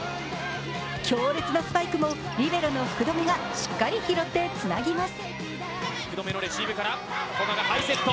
強烈なスパイクもリベロの福留がしっかり拾ってつなぎます。